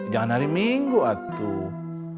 jangan hari minggu atuh